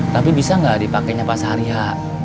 tapi bisa gak dipakenya pas sehari ya